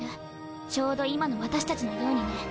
ちょうど今の私たちのようにね。